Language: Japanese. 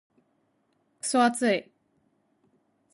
クソ暑い。